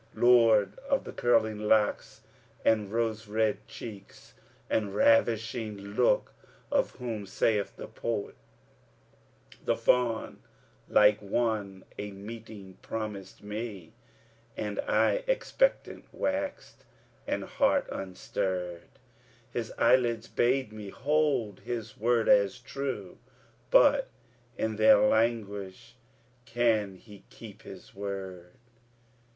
Lord of the curling locks and rose red cheeks and ravishing look of whom saith the poet, 'The fawn like one a meeting promised me * And eye expectant waxed and heart unstirred: His eyelids bade me hold his word as true; * But, in their languish,[FN#275] can he keep his word?'